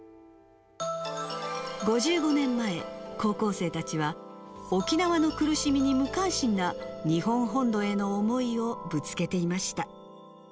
５５年前、高校生たちは沖縄の苦しみに無関心な日本本土への思いをぶつけていました。